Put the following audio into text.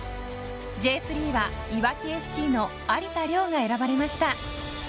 Ｊ３はいわきＦＣの有田稜が選ばれました。